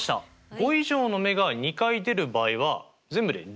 ５以上の目が２回出る場合は全部で１０通りありました。